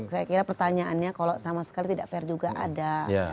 saya kira pertanyaannya kalau sama sekali tidak fair juga ada